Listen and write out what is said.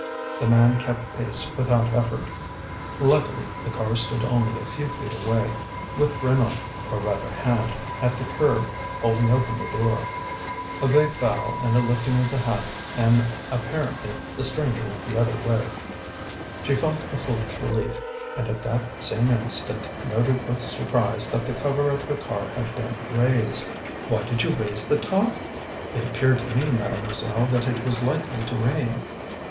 The man kept pace without effort. Luckily, the car stood only a few feet away, with Renaud, or rather Hand, at the curb, holding open the door. A vague bow and a lifting of the hat, and apparently the stranger went the other way. She felt a foolish relief, and at the same instant noted with surprise that the cover of her car had been raised. "Why did you raise the top?" "It appeared to me, Mademoiselle, that it was likely to rain."